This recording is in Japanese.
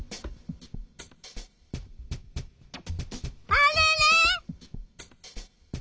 あれれ？